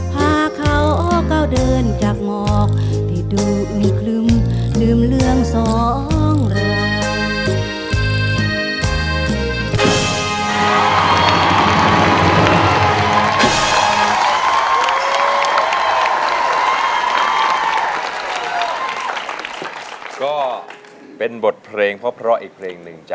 พาเขาเข้าเดินจากหมอกที่ดูอีกลืมลืมเรื่องสองละ